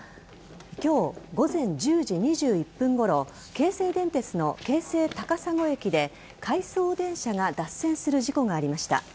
今日午前１０時２１分ごろ京成電鉄の京成高砂駅で回送電車が脱線する事故がありました。